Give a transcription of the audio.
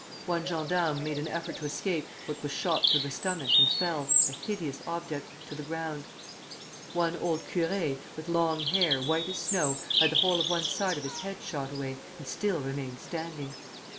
One gendarme made an effort to escape but was shot through the stomach, and fell, a hideous object, to the ground. One old curé, with long hair white as snow, had the whole of one side of his head shot away, and still remained standing.